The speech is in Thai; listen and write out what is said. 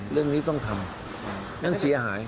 เรื่องนี้ต้องทำนั่นเสียหาย